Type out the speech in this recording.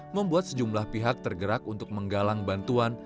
membuat sejumlah pihak tergerak untuk menggalang bantuan